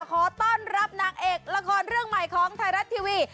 ขอต้อนรับนางเอกละครเรื่องใหม่ของไทยรัฐทีวี